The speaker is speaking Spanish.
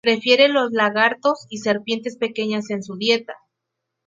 Prefiere los lagartos y serpientes pequeñas en su dieta.